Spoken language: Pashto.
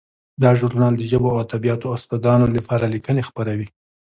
دا ژورنال د ژبو او ادبیاتو د استادانو لپاره لیکنې خپروي.